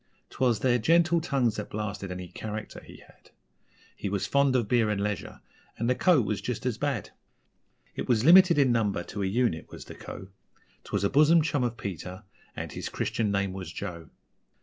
'Twas their gentle tongues that blasted any 'character' he had He was fond of beer and leisure and the Co. was just as bad. It was limited in number to a unit, was the Co. 'Twas a bosom chum of Peter and his Christian name was Joe.